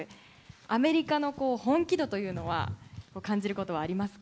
アメリカの本気度というのは、感じることはありますか？